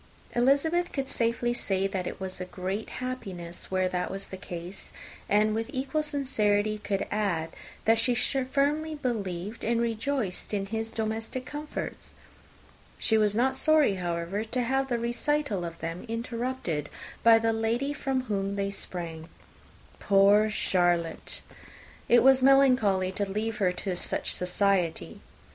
Elizabeth could safely say that it was a great happiness where that was the case, and with equal sincerity could add, that she firmly believed and rejoiced in his domestic comforts. She was not sorry, however, to have the recital of them interrupted by the entrance of the lady from whom they sprang. Poor Charlotte! it was melancholy to leave her to such society!